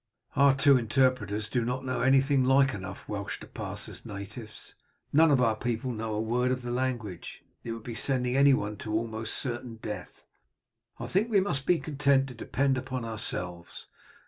Our two interpreters do not know anything like enough Welsh to pass as natives, none of our people know a word of the language, it would be sending anyone to almost certain death. I think we must be content to depend upon ourselves.